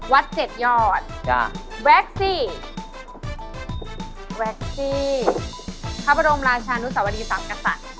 เจ็ดยอดจ้ะแว็กซี่แวคซี่พระบรมราชานุสวรีสามกษัตริย์